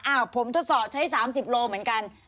ผมทดสอบใช้๓๐โลเหมือนกัน